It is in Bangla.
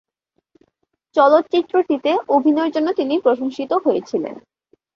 চলচ্চিত্রটিতে অভিনয়ের জন্য তিনি প্রশংসিত হয়েছিলেন।